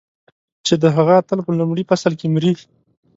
چې د هغه اتل په لومړي فصل کې مري.